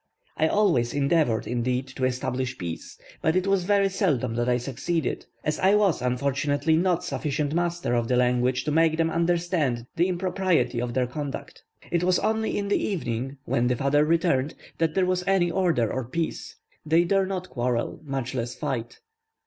I always endeavoured, indeed, to establish peace; but it was very seldom that I succeeded, as I was unfortunately not sufficient master of the language to make them understand the impropriety of their conduct. It was only in the evening, when the father returned, that there was any order of peace; they dare not quarrel then, much less fight.